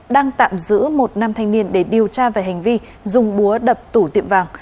đang tạm giữ một nam thanh niên để điều tra về hành vi dùng búa đập tủ tiệm vàng